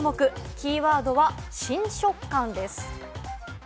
キーワードは新食感です。